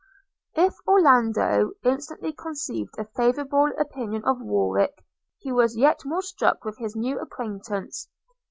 If Orlando instantly conceived a favourable opinion of Warwick, he was yet more struck with his new acquaintance.